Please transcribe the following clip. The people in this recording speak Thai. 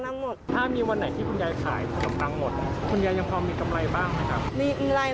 มันก็ไม่น่าไปทุกวันหรอก